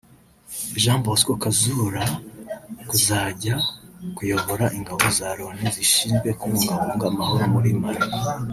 Jean Bosco Kazura kuzajya kuyobora ingabo za Loni zishinzwe kubungabunga amahoro muri Mali